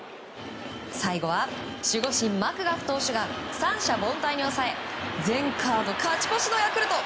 最後は守護神マクガフ投手が三者凡退に抑え全カード勝ち越しのヤクルト。